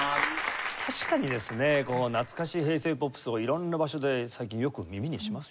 確かにですね懐かしい平成ポップスを色んな場所で最近よく耳にしますよね。